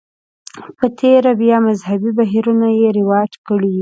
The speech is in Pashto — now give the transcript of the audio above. په تېره بیا مذهبي بهیرونو یې رواج کړي.